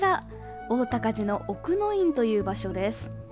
大高寺の奥之院という場所です。